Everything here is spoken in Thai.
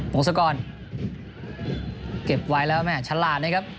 งศกรเก็บไว้แล้วแม่ฉลาดนะครับ